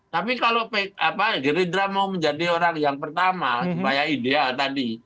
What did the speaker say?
tapi kalau gerindra mau menjadi orang yang pertama supaya ideal tadi